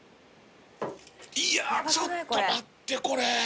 いやーちょっと待ってこれ。